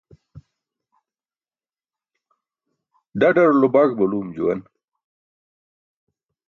ḍaḍarulo baý baluum juwan.